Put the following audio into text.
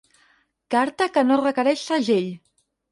Carta que no requereix segell.